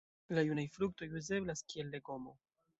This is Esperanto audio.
La junaj fruktoj uzeblas kiel legomo.